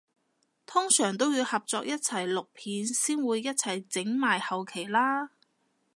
通常都要合作一齊錄片先會一齊整埋後期啦？